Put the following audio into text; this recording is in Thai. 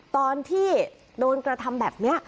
ตอนที่โดนกระทำแบบนี้